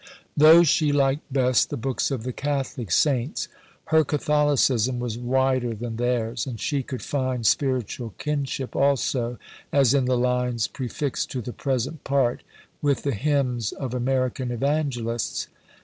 Though she liked best the books of the Catholic saints, her Catholicism was wider than theirs, and she could find spiritual kinship also, as in the lines prefixed to the present Part, with the hymns of American evangelists.